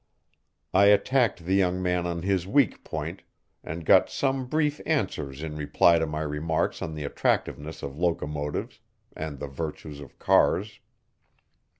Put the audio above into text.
I attacked the young man on his weak point, and got some brief answers in reply to my remarks on the attractiveness of locomotives and the virtues of cars.